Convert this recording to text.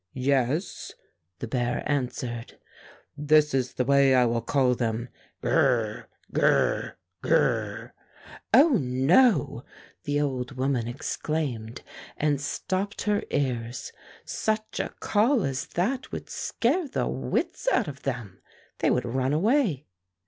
"Yes," the bear answered. "This is the way I will call them — Gr r r ! Gr r r ! Gr r r!" "Oh, no!" the old woman exclaimed, and stopped her ears. "Such a call as that would scare the wits out of them. They would run away."